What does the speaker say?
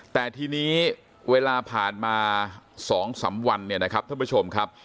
แต่ทีนี้เวลาผ่านมา๒๓วันเนี่ยนะครับท่านผู้ชมครับ